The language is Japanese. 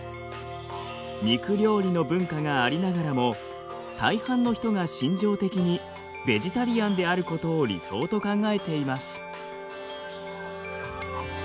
肉料理の文化がありながらも大半の人が心情的にベジタリアンであることを理想と考えています。